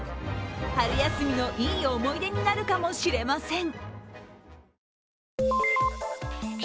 春休みのいい思い出になるかもしれません。